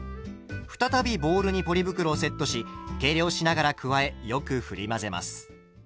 再びボウルにポリ袋をセットし計量しながら加えよくふり混ぜます。